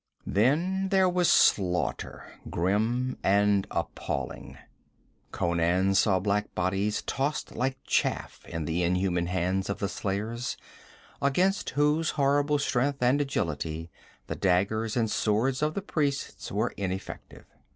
Then there was slaughter, grim and appalling. Conan saw black bodies tossed like chaff in the inhuman hands of the slayers, against whose horrible strength and agility the daggers and swords of the priests were ineffective.